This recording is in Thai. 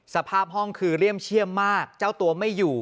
สภาพห้องคือเรียมเชื่อมมากเจ้าตัวไม่อยู่